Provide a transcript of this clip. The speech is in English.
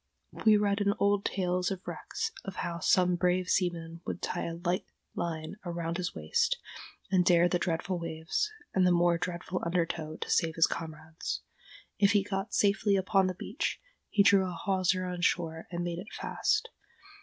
We read in old tales of wrecks of how some brave seaman would tie a light line around his waist, and dare the dreadful waves, and the more dreadful undertow, to save his comrades. If he got safely upon the beach, he drew a hawser on shore and made it fast.